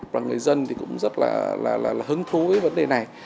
và người dân thì cũng rất là hứng thú với vấn đề này